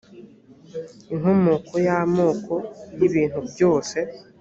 inkomoko y amoko y ibintu byose